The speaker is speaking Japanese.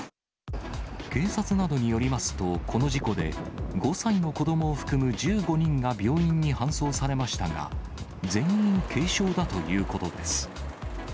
警察などによりますと、この事故で、５歳の子どもを含む１５人が病院に搬送されましたが、全員軽傷だということです。